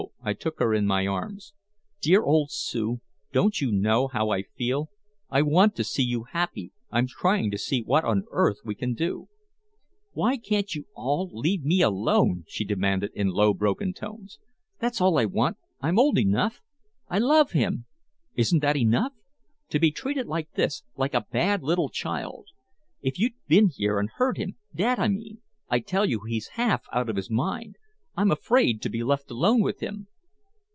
I took her in my arms. "Dear old Sue don't you know how I feel? I want to see you happy. I'm trying to see what on earth we can do." "Why can't you all leave me alone?" she demanded, in low broken tones. "That's all I want I'm old enough! I love him! Isn't that enough? To be treated like this like a bad little child! If you'd been here and heard him Dad, I mean I tell you he's half out of his mind! I'm afraid to be left alone with him!"